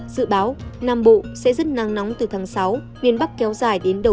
dự báo nam bộ sẽ rất nắng nóng từ tháng sáu miền bắc kéo dài đến độ cao